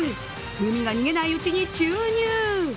風味が逃げないうちに注入。